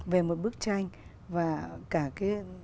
về một bức tranh và cả cái